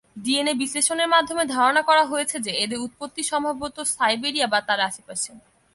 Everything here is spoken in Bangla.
ডিএনএ বিশ্লেষণের মাধ্যমে ধারণা করা হয়েছে যে এদের উৎপত্তি সম্ভবত সাইবেরিয়া বা তার আশেপাশে।